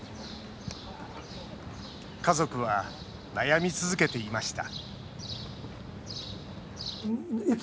家族は悩み続けていました